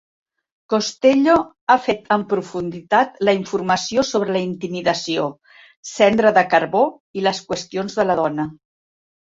Costello ha fet en profunditat la informació sobre la intimidació, cendra de carbó, i les qüestions de la dona.